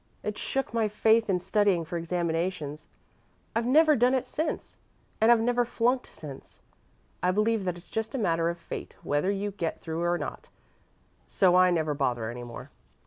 It shook my faith in studying for examinations. I've never done it since, and I've never flunked since. I believe that it's just a matter of fate whether you get through or not, so I never bother any more."